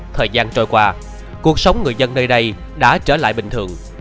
thời gian trôi qua cuộc sống người dân nơi đây đã trở lại bình thường